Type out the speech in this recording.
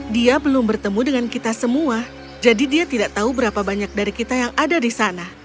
dia belum bertemu dengan kita semua jadi dia tidak tahu berapa banyak dari kita yang ada di sana